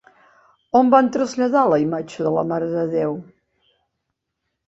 On van traslladar la imatge de la Mare de Déu?